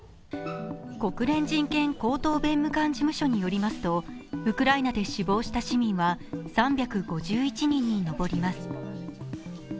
国連人権高等弁務官事務所によりますとウクライナで死亡した市民は３５１人に上ります。